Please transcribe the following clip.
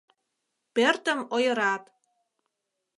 Пӧртым ойырат.